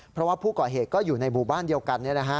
เพราะว่าผู้ก่อเหตุก็อยู่ในหมู่บ้านเดียวกัน